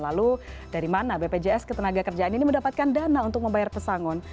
lalu dari mana bpjs ketenaga kerjaan ini mendapatkan dana untuk membayar pesangon